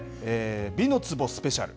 美の壺スペシャル。